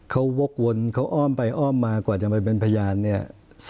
เขาวกวนเขาอ้อมไปอ้อมมากว่าจะมาเป็นพยานเนี่ย